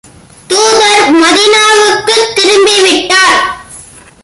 தூதர் மதீனாவுக்குத் திரும்பி விட்டார்.